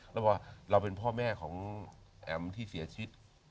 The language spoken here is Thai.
นะว่าเราเป็นพ่อแม่ของแอ๋มที่เสียชิต